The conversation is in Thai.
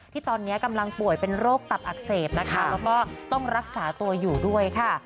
ที่ตอนนี้กำลังป่วยเป็นโรคตับอักเสบนะคะแล้วก็ต้องรักษาตัวอยู่ด้วยค่ะ